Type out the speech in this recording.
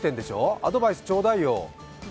アドバイスちょうだいよ！